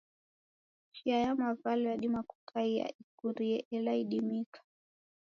Chia ya mavalo yadima kukaiya ikurie, ela idimika.